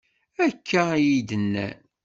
Akka iy-d-nnan.